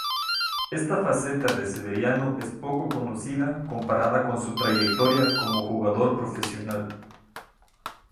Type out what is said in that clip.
Esta faceta de Severiano es poco conocida comparada con su trayectoria como jugador profesional.